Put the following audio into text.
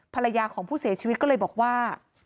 ภรรยาของผู้เสียชีวิตก็เลยบอกว่า